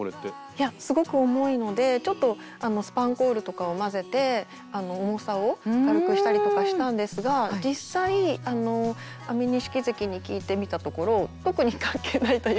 いやすごく重いのでちょっとスパンコールとかを交ぜて重さを軽くしたりとかしたんですが実際安美錦関に聞いてみたところ特に関係ないというか。